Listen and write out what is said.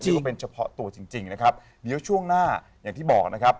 ว่าเป็นเฉพาะตัวจริงจริงนะครับเดี๋ยวช่วงหน้าอย่างที่บอกนะครับ